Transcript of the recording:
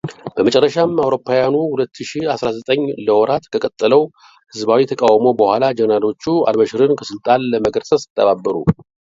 በመጨረሻም በአውሮፓውያኑ ሁለትሺ አስራ ዘጠኝ ለወራት ከቀጠለው ህዝባዊ ተቃውሞም በኋላ ጄነራሎቹ አልበሽርን ከስልጣን ለመገርሰስ ተባበሩ።